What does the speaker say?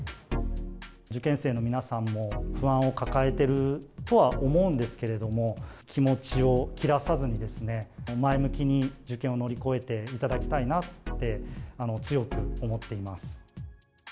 受験生の皆さんも不安を抱えてるとは思うんですけれども、気持ちを切らさずにですね、前向きに受験を乗り越えていただきたいなと、強く思っています。